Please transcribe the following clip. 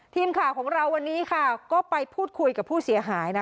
ทีมข่าวของเราวันนี้ค่ะก็ไปพูดคุยกับผู้เสียหายนะ